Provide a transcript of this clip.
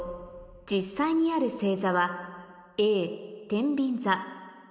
実際にある星座はＡてんびん座